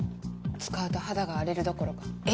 使うと肌が荒れるどころかえ